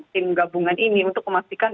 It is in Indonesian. tim gabungan ini untuk memastikan